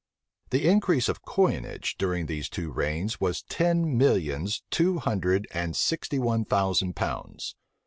The increase of coinage during these two reigns was ten millions two hundred and sixty one thousand pounds.